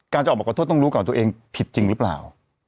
จะออกมาขอโทษต้องรู้ก่อนตัวเองผิดจริงหรือเปล่า